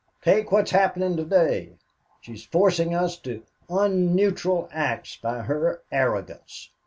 "Take what is happening to day. She's forcing us to unneutral acts by her arrogance.